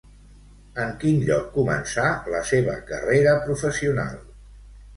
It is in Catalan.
En quin lloc començà la seva carrera professional?